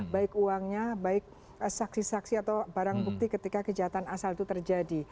baik uangnya baik saksi saksi atau barang bukti ketika kejahatan asal itu terjadi